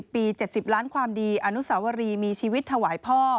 ปี๗๐ล้านความดีอนุสาวรีมีชีวิตถวายพ่อ